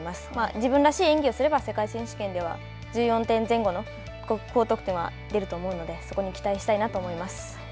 自分らしい演技をすれば、世界選手権では、１４点前後の高得点は出ると思うので、そこに期待したいなと思います。